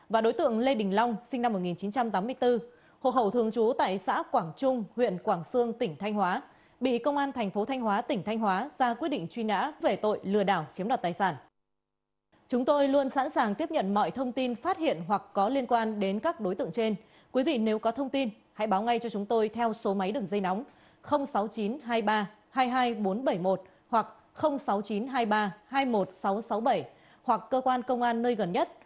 cũng phạm tội lạm dụng tín nhiệm chiếm đoạt tài sản và phải nhận quyết định truy nã của công an huyện như xuân tỉnh thanh hóa là đối tượng lê thị thúy sinh năm một nghìn chín trăm tám mươi hộ khẩu thường trú tại thôn quảng hợp xã hóa quỳ huyện như xuân tỉnh thanh hóa là đối tượng lê thị thúy sinh năm một nghìn chín trăm tám mươi hộ khẩu thường trú tại thôn quảng hợp xã hóa quỳ huyện như xuân tỉnh thanh hóa